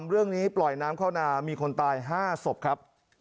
เรื่องนี้ปล่อยน้ำเข้านามีคนตาย๕ศพครับ